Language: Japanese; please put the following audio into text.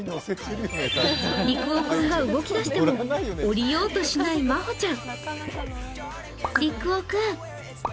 リクオ君が動きだしても下りようとしないまほちゃん。